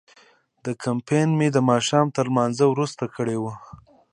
دا کمپاین مې د ماښام تر لمانځه وروسته کړی و.